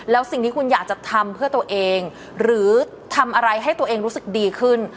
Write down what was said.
แล้วสิ่งที่คุณอยากจะทำเพื่อตัวเองหรือทำอะไรให้ตัวเองรู้สึกดีขึ้น